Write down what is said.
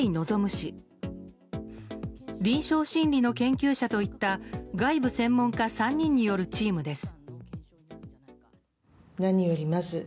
氏臨床心理の研究者といった外部専門家３人によるチームです。